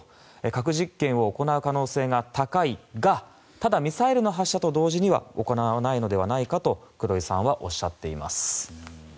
核実験を行う可能性が高いがただ、ミサイルの発射と同時には行わないのではないかと黒井さんはおっしゃっています。